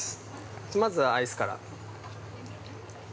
まずはアイスから。